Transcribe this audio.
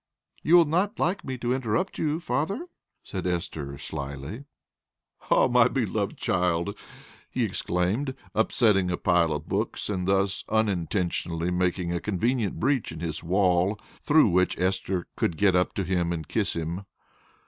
"You will not like me to interrupt you, father?" said Esther, slyly. "Ah, my beloved child!" he exclaimed, upsetting a pile of books, and thus unintentionally making a convenient breach in his wall, through which Esther could get up to him and kiss him.